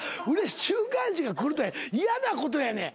週刊誌が来るって嫌なことやねん。